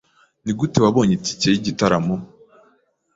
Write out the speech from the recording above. Nigute wabonye itike yigitaramo?